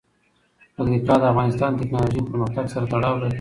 پکتیکا د افغانستان د تکنالوژۍ پرمختګ سره تړاو لري.